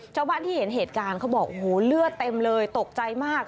ชาวบ้านที่เห็นเหตุการณ์เขาบอกโอ้โหเลือดเต็มเลยตกใจมาก